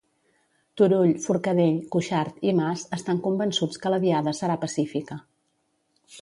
Turull, Forcadell, Cuixart i Mas estan convençuts que la Diada serà pacífica.